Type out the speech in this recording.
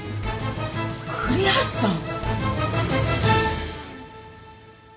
栗橋さん？